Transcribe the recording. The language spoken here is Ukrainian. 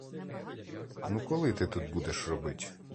Ну, коли ти тут будеш робить?